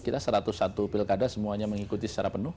kita satu ratus satu pilkada semuanya mengikuti secara penuh